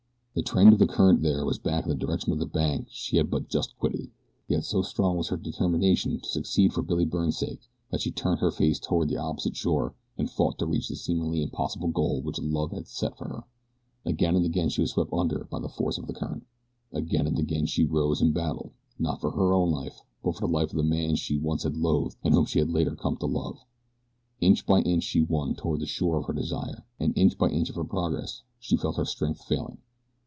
The trend of the current there was back in the direction of the bank she had but just quitted, yet so strong was her determination to succeed for Billy Byrne's sake that she turned her face toward the opposite shore and fought to reach the seemingly impossible goal which love had set for her. Again and again she was swept under by the force of the current. Again and again she rose and battled, not for her own life; but for the life of the man she once had loathed and whom she later had come to love. Inch by inch she won toward the shore of her desire, and inch by inch of her progress she felt her strength failing.